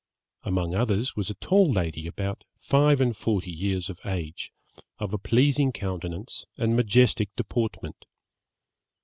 Among others was a tall lady about five and forty years of age, of a pleasing countenance and majestic deportment.